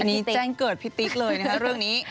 อันนี้จ้างเกิดพิติศเรื่องนี้